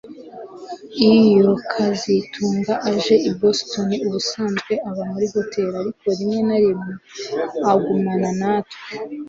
Iyo kazitunga aje i Boston ubusanzwe aba muri hoteri ariko rimwe na rimwe agumana natwe